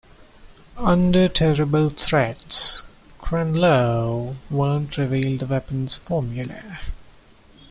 Under terrible threats, Cranlowe won't reveal the weapon's formula.